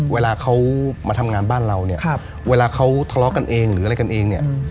เวลาเขามาทำงานบ้านเราเนี่ยเวลาเขาทะเลาะกันเองหรืออะไรกันเองเนี่ย